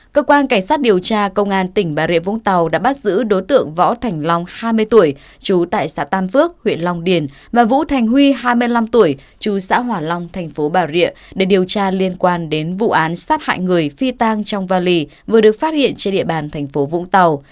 cơ quan cảnh sát điều tra công an tỉnh bà rịa vũng tàu đã bắt giữ đối tượng võ thành long hai mươi tuổi chú tại xã tam phước huyện long điền và vũ thành huy hai mươi năm tuổi chú xã hòa long thành phố bà rịa để điều tra liên quan đến vụ án sát hại người phi tang trong vali vừa được phát hiện trên địa bàn thành phố vũng tàu